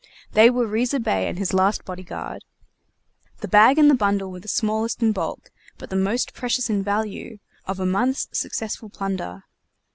They were Riza Bey and his last body guard; the bag and the bundle were the smallest in bulk but the most precious in value of a month's successful plunder.